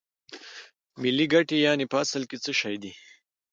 ملي ګټې یانې په اصل کې څه شی دي